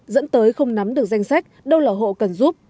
dẫn tới không nắm được danh sách đâu là hộ cần giúp